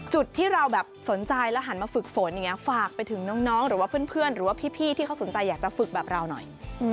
จุดที่เราแบบสนใจแล้วหันมาฝึกฝนอย่างนี้ฝากไปถึงน้องหรือว่าเพื่อนหรือว่าพี่ที่เขาสนใจอยากจะฝึกแบบเราหน่อย